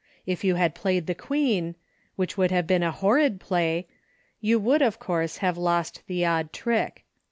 If you had played the Queen — which would have been a horrid play — you would, of course, have lost the odd trick.